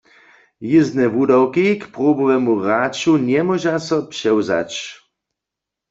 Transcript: Jězbne wudawki k probowemu hraću njemóža so přewzać.